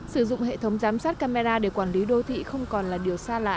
sử dụng hệ thống giám sát camera để quản lý đô thị không còn là điều xa lạ